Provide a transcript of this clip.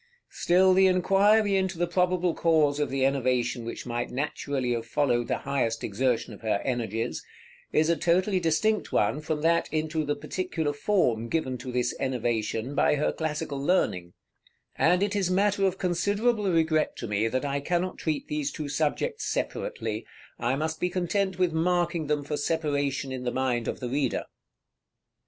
Still the inquiry into the probable cause of the enervation which might naturally have followed the highest exertion of her energies, is a totally distinct one from that into the particular form given to this enervation by her classical learning; and it is matter of considerable regret to me that I cannot treat these two subjects separately: I must be content with marking them for separation in the mind of the reader.